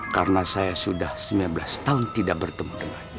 karena saya sudah sembilan belas tahun tidak bertemu dengan dia